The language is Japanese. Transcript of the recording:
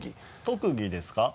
特技ですか？